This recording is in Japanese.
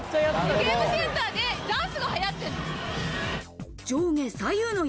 ゲームセンターでダンスが流行ってるの？